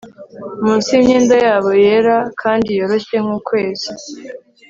Munsi yimyenda yabo yera kandi yoroshye nkukwezi